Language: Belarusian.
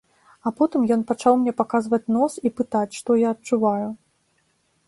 А потым ён пачаў мне паказваць нос і пытаць, што я адчуваю?